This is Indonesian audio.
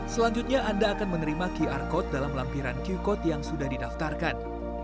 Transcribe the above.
selanjutnya anda akan menerima qr code dalam lampiran q code yang sudah didaftarkan